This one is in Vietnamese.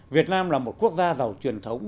việt nam là một quốc gia giàu truyền thống